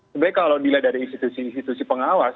sebenarnya kalau dilihat dari institusi institusi pengawas